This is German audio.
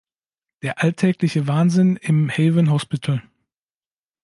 Der „alltägliche“ Wahnsinn im "Haven Hospital".